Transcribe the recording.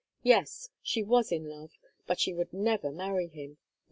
Yes, she was in love, but she would never marry him.